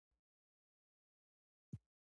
کاربن ډای اکساید ګاز یو له حاصلو څخه دی.